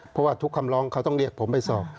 เพราะว่าทุกคำร้องเขาต้องเรียกผมไปสอบ